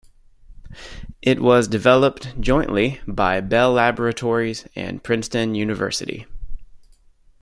It was developed jointly by Bell Laboratories and Princeton University.